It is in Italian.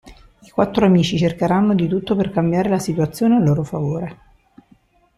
I quattro amici cercheranno di tutto per cambiare la situazione a loro favore.